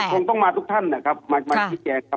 คงต้องมาทุกท่านนะครับมาชี้แจงครับ